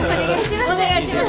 お願いします。